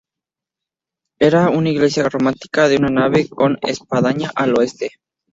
Era una iglesia románica de una nave, con espadaña al oeste.